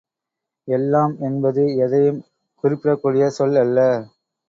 எல்லாம் என்பது எதையும் குறிப்பிடக்கூடிய சொல் அல்ல.